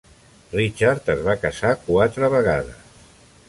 Richard es va casar quatre vegades.